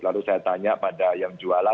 lalu saya tanya pada yang jualan